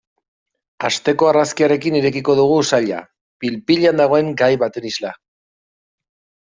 Asteko argazkiarekin irekiko dugu saila, pil-pilean dagoen gai baten isla.